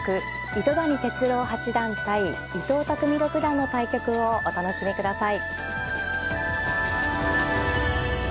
糸谷哲郎八段対伊藤匠六段の対局をお楽しみください。